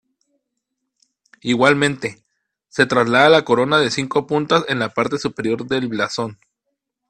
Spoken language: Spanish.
Igualmente, se traslada la corona de cinco puntas en la parte superior del blasón.